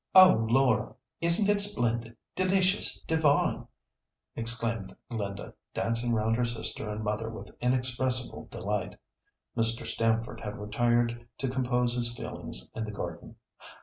"Oh! Laura, isn't it splendid, delicious, divine?" exclaimed Linda, dancing round her sister and mother with inexpressible delight. (Mr. Stamford had retired to compose his feelings in the garden.)